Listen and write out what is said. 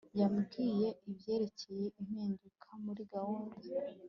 yambwiye ibyerekeye impinduka muri gahunda